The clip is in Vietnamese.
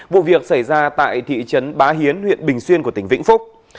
vụ việc xảy ra tại thị trấn bá hiến huyện bình xuyên của tỉnh vĩnh phúc